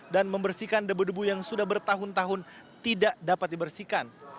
dan membersihkan debu debu yang sudah bertahun tahun tidak dapat dibersihkan